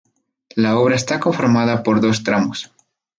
La obra está conformada por dos tramos.